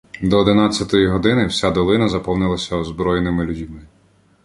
До одинадцятої години вся долина заповнилася озброєними людьми.